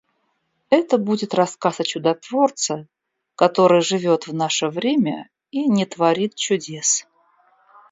Это будет рассказ о чудотворце, который живет в наше время и не творит чудес.